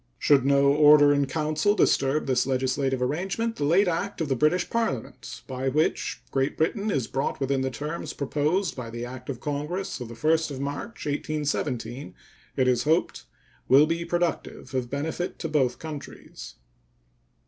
Should no order in council disturb this legislative arrangement, the late act of the British Parliament, by which Great Britain is brought within the terms proposed by the act of Congress of the 1st of March, 1817, it is hoped will be productive of benefit to both countries.